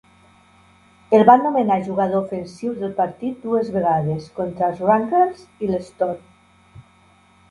El van nomenar jugador ofensiu del partit dues vegades contra els Wranglers i l'Storm.